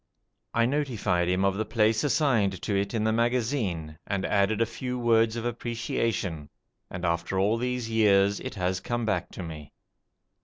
I notified him of the place assigned to it in the magazine, and added a few words of appreciation, and after all these years it has come back to me.